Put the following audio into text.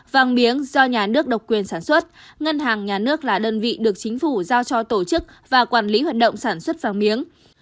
vàng miếng do nhà nước độc quyền sản xuất ngân hàng nhà nước là đơn vị được chính phủ giao cho tổ chức và quản lý hoạt động sản xuất vàng miếng